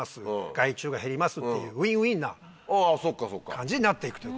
害虫が減りますっていうウィンウィンな感じになっていくという。